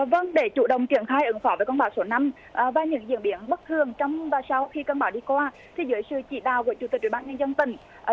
vâng để chủ động triển khai ứng phó với bão số năm và những diễn biến bất thường trong ba sáu khi bão đi qua thì dưới sự chỉ đào của chủ tịch ubnd tần